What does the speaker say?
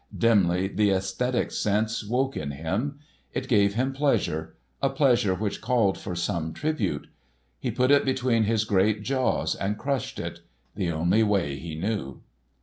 Dimly, the aesthetic sense woke in him. It gave him pleasure, a pleasure which called for some tribute. He put it between his great jaws and crushed it—the only way he knew.